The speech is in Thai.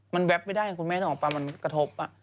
มาแว็บไม่ได้คุณแม่นโรงพยาบมันกระทบ